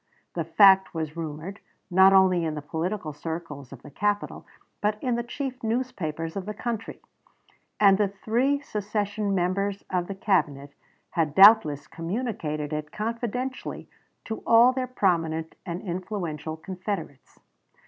The fact was rumored, not only in the political circles of the capital, but in the chief newspapers of the country; and the three secession members of the Cabinet had doubtless communicated it confidentially to all their prominent and influential confederates.